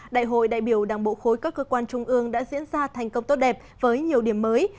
đại hội đại biểu đảng bộ khối các cơ quan trung ương đã diễn ra thành công tốt đẹp với nhiều điểm mới